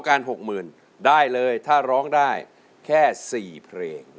การ๖๐๐๐ได้เลยถ้าร้องได้แค่๔เพลง